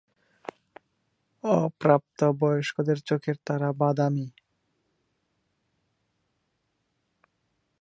অপ্রাপ্তবয়স্কদের চোখের তারা বাদামি।